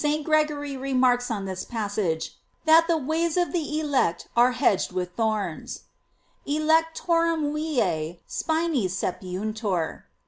"* St. Gregory remarks on this passage, that the ways of the elect are hedged with thorns: "Electorum vise spinis sepiuntur."